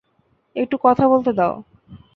একটু কথা বলতে দাও।